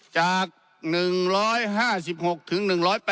จาก๑๕๖ถึง๑๘๘